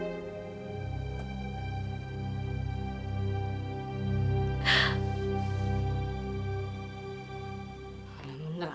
aku sudah ingat